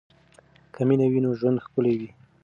که مینه وي نو ژوند ښکلی وي.